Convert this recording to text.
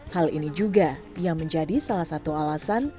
hal ini juga yang menjadi salah satu hal yang bisa diperlukan untuk menenun